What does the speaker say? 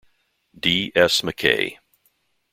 D. S. MacKay.